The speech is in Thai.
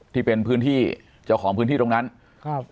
ที่เป็นพื้นที่เจ้าของพื้นที่ตรงนั้นครับ